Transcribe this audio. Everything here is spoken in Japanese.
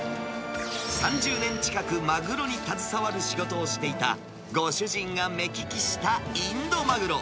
３０年近くマグロに携わる仕事をしていたご主人が目利きしたインドマグロ。